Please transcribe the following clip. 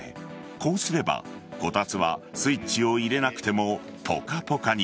こうすればこたつはスイッチを入れなくてもポカポカに。